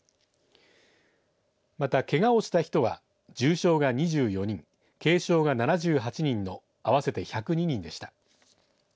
また、けがをした人は重傷が２４人軽傷が７８人の合わせて１０２人でした。